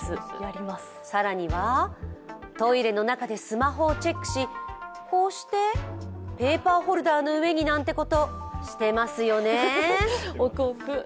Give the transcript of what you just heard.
更には、トイレの中でスマホをチェックし、こうしてペーパーフォルダーの上になんてこと、してますよね。